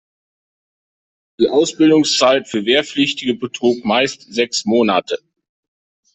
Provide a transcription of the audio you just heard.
Die Ausbildungszeit für Wehrpflichtige betrug meist sechs Monate.